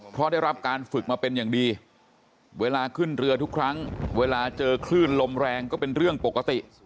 เพราะได้รับการฝึกมาเป็นอย่างดีเวลาขึ้นเรือทุกครั้งเวลาเจอคลื่นลมแรงก็เป็นเรื่องปกติ